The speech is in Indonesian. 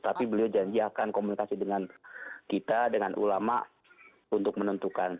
tapi beliau janji akan komunikasi dengan kita dengan ulama untuk menentukan